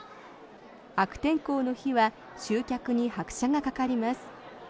悪天候の日は集客に拍車がかかります。